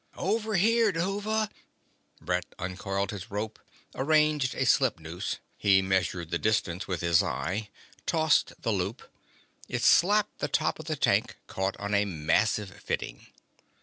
"Over here, Dhuva!" Brett uncoiled his rope, arranged a slip noose. He measured the distance with his eye, tossed the loop. It slapped the top of the tank, caught on a massive fitting.